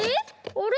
あれ？